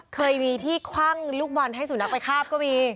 เคยมีที่คว่างลูกบอลให้สุนัขไปคาบก็มี